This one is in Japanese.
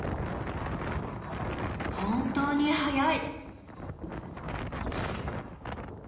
本当に速い！